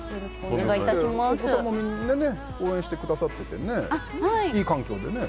お子さんも応援してくださってていい環境でね。